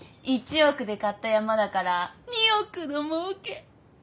１億で買った山だから２億のもうけ。